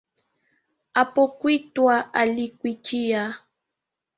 Apokwitwa alikwikiya